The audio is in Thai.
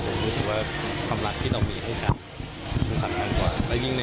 รู้สึกว่าคำหลักที่เรามีให้ทัน